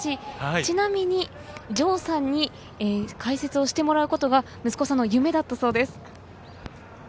ちなみに城さんに解説をしてもらうことが息子さんの夢だったそうです。